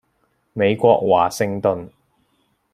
美國華盛頓